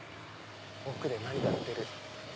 奥で何かやってる。